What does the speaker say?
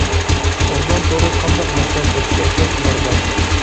ئورگان تورى قانداق مەھسۇلات قوشۇپ بەرسە شۇلار بار.